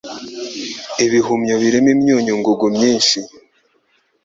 Ibihumyo birimo imyunyu ngugu myinshi.